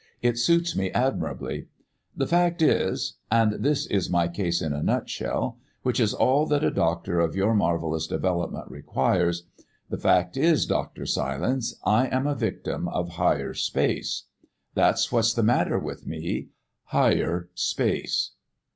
"It suits me admirably. The fact is and this is my case in a nutshell which is all that a doctor of your marvellous development requires the fact is, Dr. Silence, I am a victim of Higher Space. That's what's the matter with me Higher Space!"